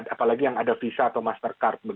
apalagi yang ada visa atau mastercard